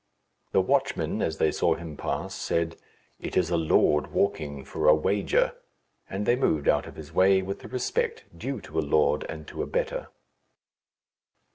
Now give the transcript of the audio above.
The watchmen, as they saw him pass, said, "It is a lord walking for a wager," and they moved out of his way with the respect due to a lord and to a better.